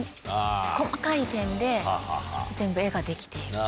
細かい点で全部絵ができている。